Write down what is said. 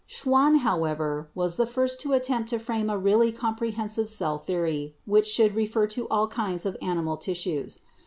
Schwann, however, was the first to attempt to frame a really comprehensive cell theory which should refer to all kinds of animal tissues.